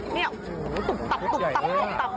นี่ตุ๊บตุ๊บตุ๊บตุ๊บตุ๊บตุ๊บ